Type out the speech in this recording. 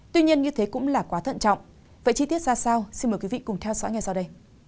tuy nhiên như thế cũng là quá thận trọng vậy chi tiết ra sao xin mời quý vị cùng theo dõi ngay sau đây